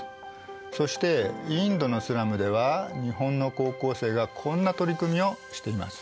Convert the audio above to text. そしてインドのスラムでは日本の高校生がこんな取り組みをしています。